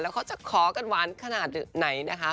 เขาจะขอกันหวานขนาดไหนนะคะ